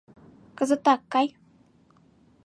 Кызытак кай...